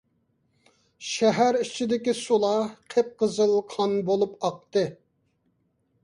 شەھەر ئىچىدىكى سۇلار قىپقىزىل قان بولۇپ ئاقتى.